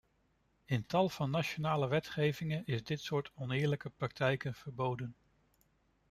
In tal van nationale wetgevingen is dit soort oneerlijke praktijken verboden.